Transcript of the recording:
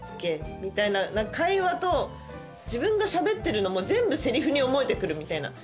みたいな会話と自分がしゃべってるのも全部セリフに思えて来るみたいな。